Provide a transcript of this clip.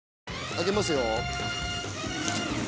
開けますよ。